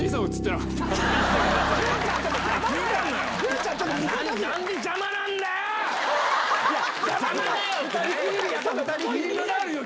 なんで邪魔なんだよ！